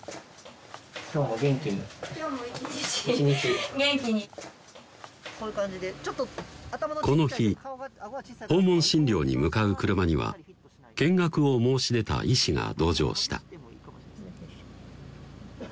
今日も元気に今日も１日元気にこの日訪問診療に向かう車には見学を申し出た医師が同乗した